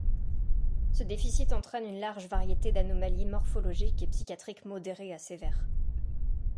Ce déficit entraîne une large variété d’anomalies morphologiques et psychiatriques modérées à sévères.